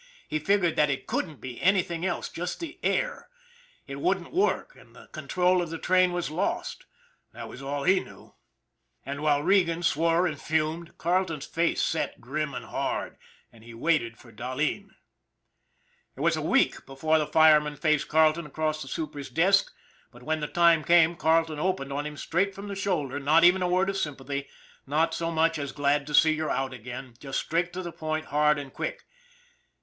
He figured that it couldn't be anything else just the " air " it wouldn't work and the con trol of the train was lost. That was all he knew. And while Regan swore and fumed, Carleton's face set grim and hard and he waited for Dah leen. It was a week before the fireman faced Carleton across the super's desk, but when that time came Carle ton opened on him straight from the shoulder, not even a word of sympathy, not so much as " glad to see you're out again," just straight to the point, hard and quick.